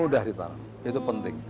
mudah ditanam itu penting